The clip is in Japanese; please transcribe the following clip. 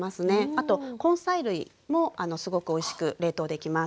あと根菜類もすごくおいしく冷凍できます。